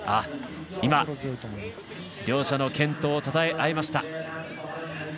今、両者の健闘をたたえ合いました。